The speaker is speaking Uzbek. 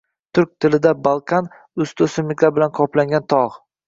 Turk tilida balkan – usti o‘simlik bilan qoplangan tog‘.